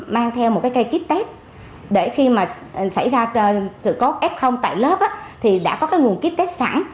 mang theo một cái cây kít test để khi mà xảy ra sự cốt f tại lớp thì đã có cái nguồn kít test sẵn